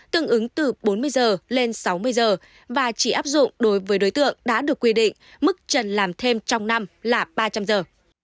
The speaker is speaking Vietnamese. tương ứng từ bốn mươi giờ lên sáu mươi giờ và chỉ áp dụng đối với đối tượng đã được quy định mức trần làm thêm trong năm là ba trăm linh giờ